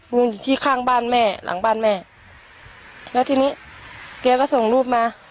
อยู่ที่ข้างบ้านแม่หลังบ้านแม่แล้วทีนี้แกก็ส่งรูปมา